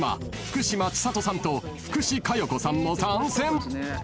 福島千里さんと福士加代子さんも参戦］